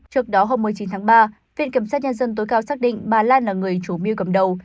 trước đó hôm một mươi chín tháng ba viện kiểm sát nhân dân tối cao xác định bà lan là người chủ mưu cầm đầu